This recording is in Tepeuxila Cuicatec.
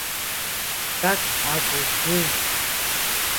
¿Taka akud ju?